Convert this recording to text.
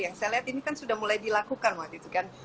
yang saya lihat ini kan sudah mulai dilakukan waktu itu kan